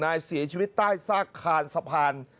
เสียชีวิตใต้ซากคานสะพาน